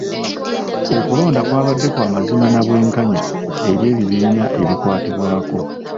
Okulonda kwabadde kwa mazima na bwenkanya eri ebibiina ebikwatibwako.